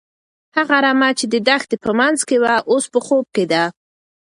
هغه رمه چې د دښتې په منځ کې وه، اوس په خوب کې ده.